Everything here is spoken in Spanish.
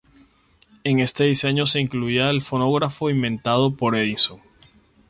En este diseño se incluía el fonógrafo inventado por Edison.